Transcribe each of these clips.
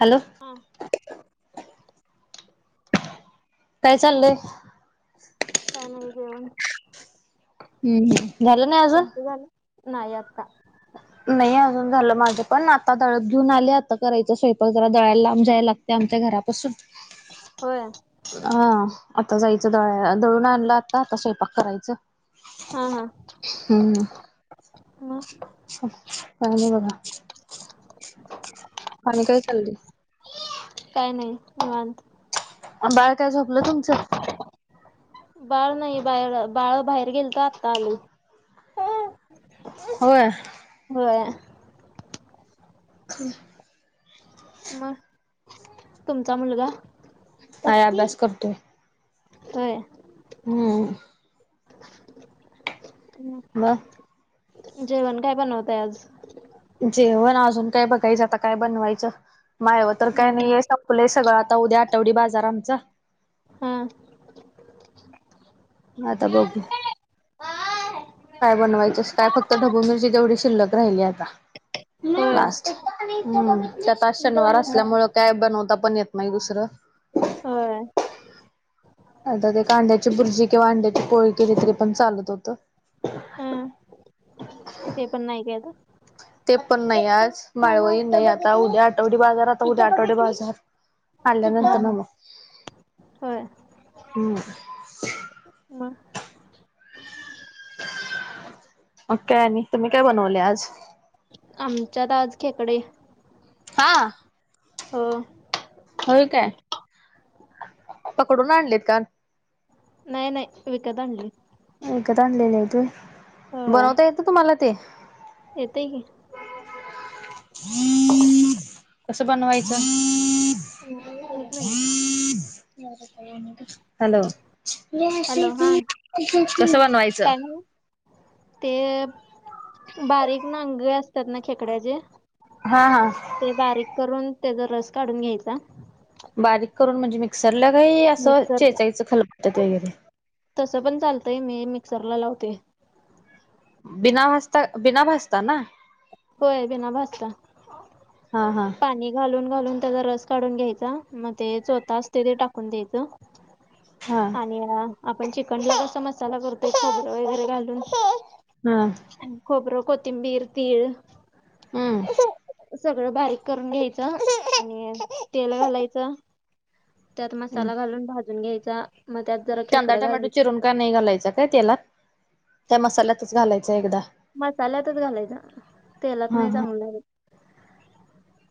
Hello! हा. काय चाललंय? काही नाही, जेवण हम्म झालं नाही अजून? तुमचं झालं? नाही आत्ता. नाही अजून झालं माझं पण, आता दळप घेऊन आले आता करायच स्वयंपाक जरा दळायला लांब जायला लागतय. ते आमच्या घरापासून होय. हा आता जायचं दळाय- दळून आणलं आता, आता स्वयंपाक करायचं. हा हा. ह ह. मग? काय नाही बघा, आणि काय चाललय? काही नाही, निवांत. बाळ काय झोपलं तुमचं? बाळ नाही, बाहेर बाळ बाहेर गेलतं आत्ता आलयं. होय. होय. [unintelligible] मग, तुमचा मुलगा? हाय आभ्यास करतोय. काय? हम्म. म? जेवण काय बनवताय आज? जेवण अजून काय बघायचं आता, काय बनवायचं. माळवं तर काय नईय संपलंय सगळं आता, उद्या आठवडी बाजार आमचा. हा. मगं आता बघू. काय बनवायचंस. काय फक्त ढबू मिरची जेवढी शिल्लक राहिली आता. होय लास्ट हम्म. त्यात शनिवार असल्यामुळ काय बनवता पण येत नाही दुसरं. होय आता ते कांद्याची बुर्जी किंवा अंड्याची पोळी केलीतरी पण चालत होतं. हा ते पण नाही काय आता? ते पण नाही आज. माळवई नाही आता. उद्या आठवडी बाजार आता उद्या आठवडे बाजार. हा आल्यानंतरण हा मग, होय ह. मग मग काय आणि, तुम्ही काय बनवले आज? आमच्यात आज खेकडे. हा. हो. होय काय, पकडून आणलेत का? नाही नाही विकत आणली. विकत आणलेले आहेत व्हय. होय बनवता येत तुम्हाला ते? येतय की. कस बनवायचं? हम्म, एक मिनिट हॅलो. हॅलो हा [unintelligible] कस बनवायचं? काय म्हण ते बारीक ना अंगे असतात ना खेकड्याचे हा हा. ते बारीक करून, त्याचा रस काढून घ्यायचा. बारीक करून म्हणजे मिक्सरला काय, असं मिक्सरला चेचाईचं खलबत्यात वगैरे? तसं पण चालतंय मी मिक्सरला लावते. बिना भाजता बिना भाजता ना? होय बिना भजता. हा हा पानी घालून घालून त्याचा रस काढून घ्यायचा. मग ते चोता असते ते टाकून द्यायचं. हा. आणि आपण चिकनला कसा मसाला करतोय खोबर वगैरे घालून. हा. गबर कोथिंबीर तीळ. हम्म! सगळं बारीक करून घ्यायचं आणि तेल घालायचं. त्यात हम्म मसाला घालून भाजून घ्यायचा मग त्यात. जरा कांदा खेकडं टमॅटो घालायची चिरून का नाही घालायचा काय तेलात त्या मसाल्यातच घालायच एकदा. मसाल्यातच घालायचं तेलात हा नाही हा चांगू ला.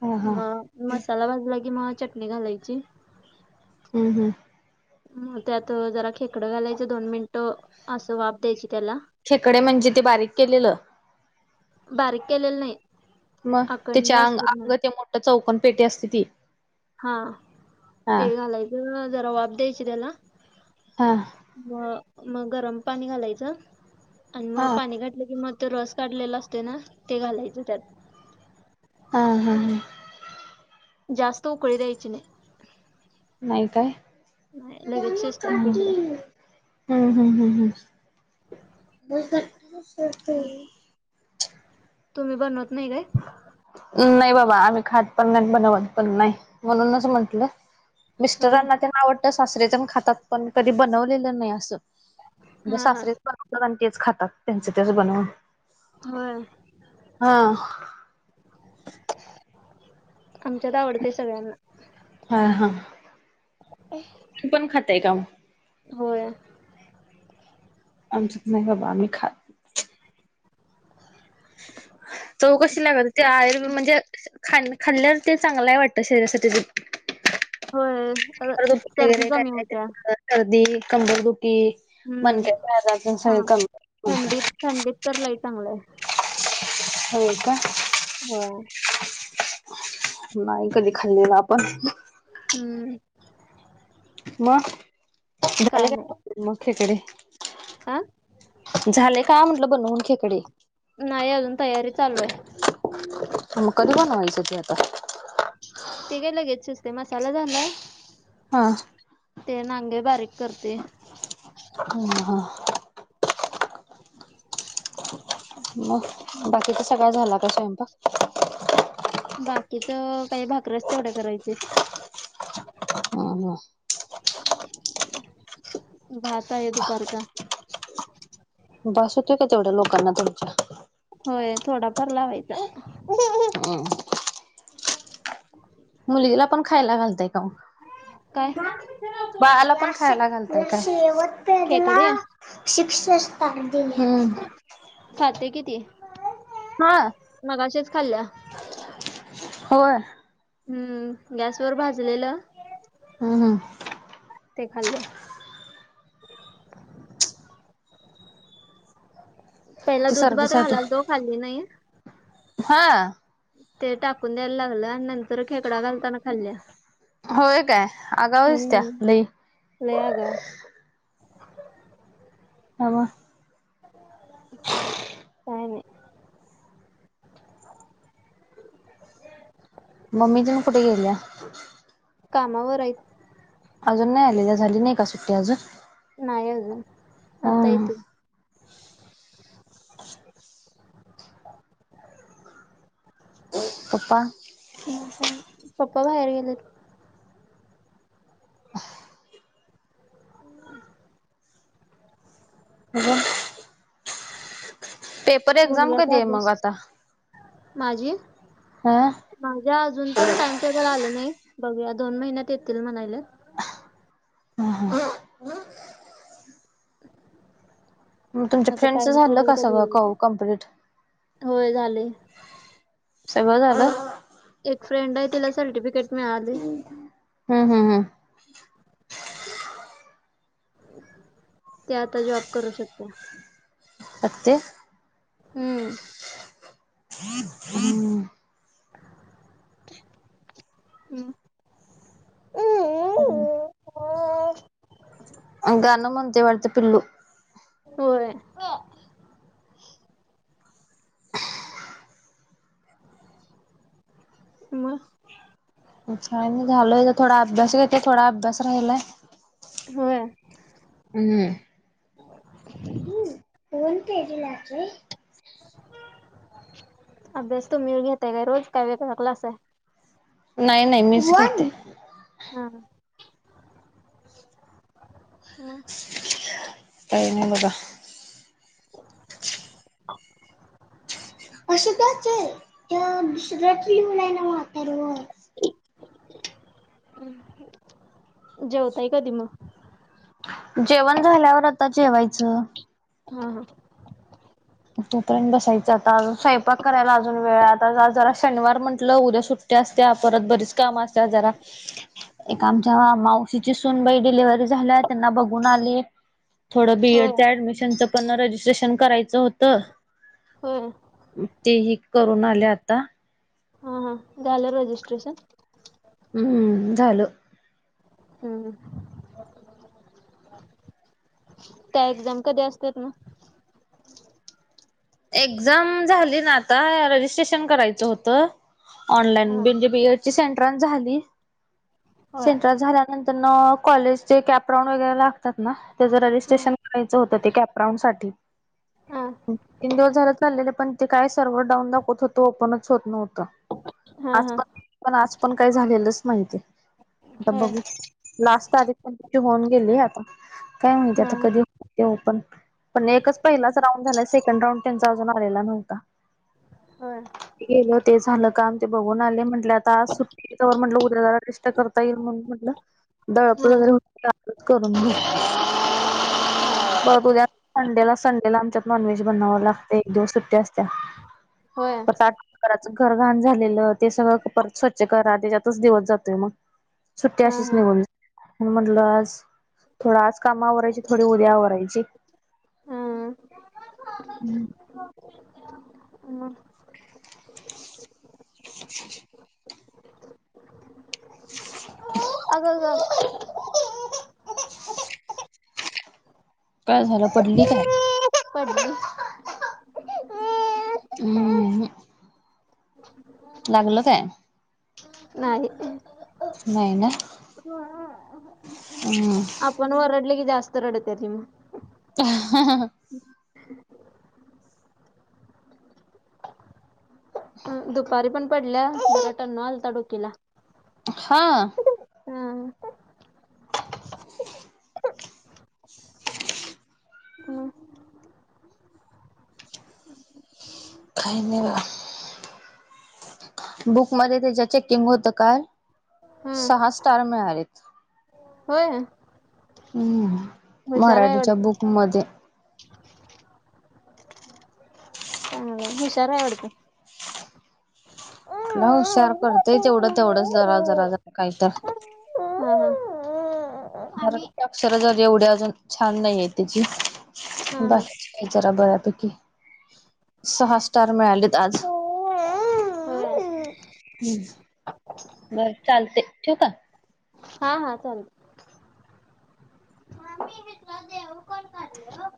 हा हा मग मसाला भाजला की मग चटणी घालायची. हम् हम्. मग त्यात जरा खेकडं घालायचं दोन मिनिटं असं वाप द्यायची त्याला. शेकडे म्हणजे ते बारीक केलेलं. बारीक केलेलं नाही मग अखंड त्याच्या अ असतात ना अंग ते मोठ. चौकनपेटी असती ती. हा हा ते घालायचं जरा वाब द्यायची त्याला. हा. म मग गरम पाणी घालायचं आणि हा मग हा पाणी घातलं की मग तर रस काढलेला असते ना ते घालायचं त्यात हा हा हा जास्त उकळी दयची नाही नाही काय नाही लगेच शिजतात खेकडं हा हम हम ह तुम्ही बनवत नाही काय नाही बाबा आम्ही खात पण नाही बनवत पण नाही म्हणूनच म्हटलं होय. मिस्टरांना त्यांना आवडतं सासरे पण खातात पण कधी बनवलेलं नाही असं म्हणजे हा हा. सासरे बन लण तेच खातात त्यांच तेच बनवून होय. हा आमच्यात आवडते सगळ्यांना हा हा तू पण खातय का होय. आमच्यात नाही बाबा आम्ही खातो. त कशी लागल आय म्हणजे. खा खाल्ल्यावर ते चांगलं आहे वाटतं शरीरासाठी. होय अ तुप सर्दी वगैरे कमी होत्या. करदी कंबल दुकी हम्म. म्हणत आप सगळे चांग कण हो थंडीत थंडीत तर लई चांगलं आहे. का आहे हो नाही कधी खाल्लेल आपण हम्म मग झालं काय नाही. का मग इकडे हा? झाले का म्हटलं बनवून खेकडी नाही अजून तयारी चालू आहे मग कधी कोण व्हायचं ते आता ते काय लगेच सुचते मसाला झालाय हा ते नांगे बारीक करते ह ह मग बाकीच सग झाला का स्वयंपाक बाकीच काही भाकररच तेवढ्या करायचे ह ह बाता येत परारता बस होतंय का तेवढ्या लोकांना तुमच्या होय थोडाफार लावायचा, ह ह मुलीला पण खायला घालताय का, काय? बाळाला पण खायला घालतय का शेवट तेजला, खेकडे शिक्ष स्ता दि घ, खाते किती हा मगशेच खाल्ल्या, होय, हम्म गॅसवर भाजलेलं, हम हम ते खाल्ल्या पहिला ते दुध भात सर्दीसाठी घालायचो खाली नाही. हा ते टाकून द्यायला लागलं नंत, तर खेकडा घालताना खाल्ल्या होय काय आगाव दिसत्या हम्म, लई लई आगव, अव का नाही मम्मी तीन कुठे गेल्या, कामावर आहेत. अजून नाही आलेली झाली नाही का सुट्टी अजून, ना याग मताऐत, हा प्पा म का पप्पा बाहेर गेलेत, ह, हम पेपर एक्झाम कधी मुलग्याचा आहे मग अभ्यास आता, माझी, आ माझ्या अजून तर टाइम टेबल आलं नाही बघूया दोन महिन्यात येतील म्हणायला, ह ह, मग तुमच्या आता फ्रेंडच टाइम झालं टेबल का कधी सगळं येईल कव कंप्लीट होय झाले‌. सगवं झालं. एक फ्रेंड आहे तिला सर्टिफिकेट मिळाली. हम् हम् हम त्या आता जॉब करू शकता. अगे हम्म हम्म हम् हम ह गाना मणतेे पडते पिल्ल होय म छ नाही झालय थोडा अभ्यास घेते थोडा अभ्यास राहिलाय, हा हम् कोण केजी लाची, अभ्यास तूमळ घेतय काय रोज काय वेग क्लास आहे. नाही नाही मीच करते. हम् का नाही दबा हो ह असं काच आहे त्या दुस रात्री मुला ना वाात व जेवतय कधी मग जेवण झाल्यावर आता जेवायचं हा हा तोपर्यंत बसायचं आता स्वयंपाक करायला अजून वेळ आता जरा शनिवार म्हटलं उद्या सुट असत्या परत बरीच काम असत्या जरा एक आमच्या मावशीची सूनबाई डिलिव्हरी झाल्या त्यांना बघून आले थोडं बीएड होय. च ऍडमिशनचं पण रजिस्ट्रेशन करायचं होतं होम तेही करून आले आता हा हा झालं रजिस्ट्रेशन हम्म झालं हम् त्या एक्झाम कधी असतात ना एक्झाम झाली ना आता रजिस्ट्रेशन करायचं होतं ऑनलाईन हा. म्हजे बीएड ची सेंटरच झाली होय. सेंट्रल झाल्यानंतर न कॉलेज चे कॅपराऊंड वगैरे लागतात ना त्याचं हा. रजिस्ट्रेशन करायचं होतं ते कॅपराऊंड सा हा. तीन दिवस झालं चाललेले पण ते काय सर्व्ह डाऊन दाखवत होतो ओपनच होत नव्हतं हा आज हा. पण पण आज पण काय झालेलंच माहिती आहे आ होय. बघ लास्ट तारीख पण तची होऊन गेली आता काय माणती हा. आता कधी पण पण एकच पहिलाच राऊंड झाला सेकंड राऊंड त्यांचा अजून आलेला नव्हता हो गेलं ते झालं काम ते बघून आले म्हटले आता आज सुट्टीवर म्हटलं उद्याला डस्ट करत म्ह म्हटलं दळप हा. वगैरे हो करून घेतली परत उद्या संडेला संडेला आमच्यात नॉनव्हेज बनावावं लागत एक दिवस सुट्ट्या असत्या होय कराच घर घाण झालेलं ते सगळं परत स्वच्छ करा त्याच्यातच दिवस जातोय मग सुट्टी हा अशीच हा. निघून म्हटलं आज थोडा आज कामा वरायची थोडी उद्या वरायची हम्म ह हम अच्छा अग का का झालं पडली काय पड हम्म लागल काय नाही नाही ना हम् आप पणओरडली जास्त ररडत निम ह ह दुपारी पण पडल्या बरा टन न आलता डोकीला हा हा [inaudible] हम्म, काय नाही बघा. बुकमध्ये त्याच्या चेकिंग होत काय? हम्म. सहा स्टार मिळालेत. होय. हम् हुशार आहे मराठीच्या वाटतं बुकमध्ये. ह हुशारा आहे आवडतं. कुठला हुश्याार करतोय तेवढं तेवढंच जरा जरा जरा काही तर. ह हा मराठीत अक्षर झाली एवढी अजून छान नाहीये तिची हा हा. बकीचार बऱ्यापैकी सहा स्टार मिळालेत आज. होय. हम् बर चालते ठेव का? हा हा चालल. देऊ कोण काढलं